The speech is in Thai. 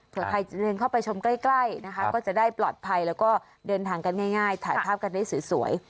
เพื่อใครจะเดินเข้าไปชมใกล้นะคะก็จะได้ปลอดภัยแล้วก็เดินทางกันง่ายถ่ายภาพกันได้สวย